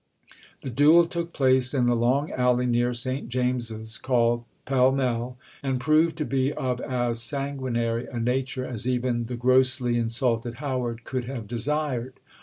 The duel took place in the "Long Alley near St James's, called Pall Mall," and proved to be of as sanguinary a nature as even the grossly insulted Howard could have desired.